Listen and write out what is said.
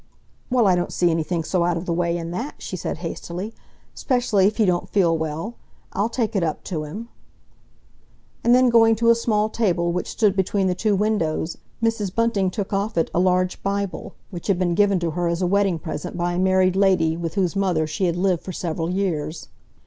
"Well, I don't see anything so out of the way in that," she said hastily, "'specially if he don't feel well. I'll take it up to him." And then going to a small table which stood between the two windows, Mrs. Bunting took off it a large Bible, which had been given to her as a wedding present by a married lady with whose mother she had lived for several years.